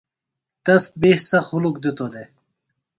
تس بی سخت ہُلُک دِتو دےۡ۔